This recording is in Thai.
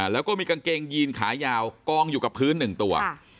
แล้วก็มีกางเกงยีนขายาวกองอยู่กับพื้นหนึ่งตัว